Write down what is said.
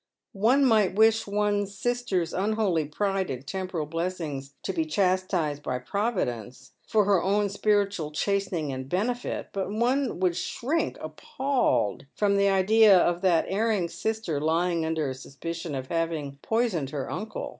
One might wish one sister's unholy pride in temporal blessings to be chastised by Providence, for her own spiritual chastening and benefit, but one would shrink appalled from the idea of that erring sister lying under a suspicion of having poisoned her uncle.